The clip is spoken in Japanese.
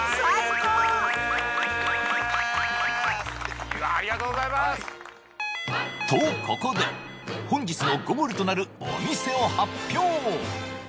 うわありがとうございますとここで本日のゴールとなるお店を発表